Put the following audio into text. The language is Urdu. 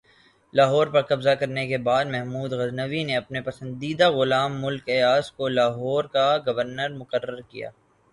لاہور پر قبضہ کرنے کے بعد محمود غزنوی نے اپنے پسندیدہ غلام ملک ایاز کو لاہور کا گورنر مقرر کیا